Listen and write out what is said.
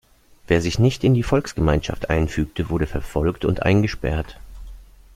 Wer sich nicht in die Volksgemeinschaft einfügte, wurde verfolgt und eingesperrt.